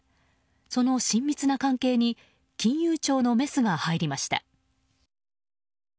その親密な関係に金融庁のメスが入りました。